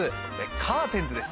『カーテンズ』です。